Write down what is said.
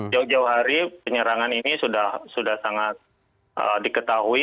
jauh jauh hari penyerangan ini sudah sangat diketahui